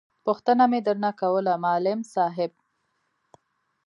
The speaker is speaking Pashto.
پوښتنه مې در نه کوله ما …ل …م ص … ا .. ح… ب.